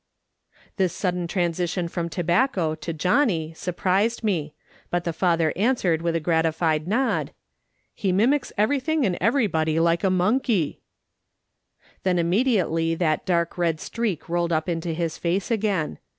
This sudden transition from tobacco to Johnny surprised me, but the father answered with a grati fied nod :" He mimics everything and everybody like a monkey." Then immediately that dark red streak rolled up into his face again.